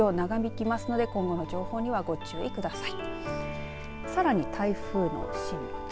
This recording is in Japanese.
またこのあと影響長引きますので今後の情報にはご注意ください。